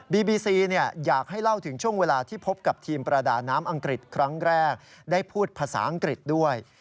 บีซีอยากให้เล่าถึงช่วงเวลาที่พบกับทีมประดาน้ำอังกฤษครั้งแรกได้พูดภาษาอังกฤษด้วย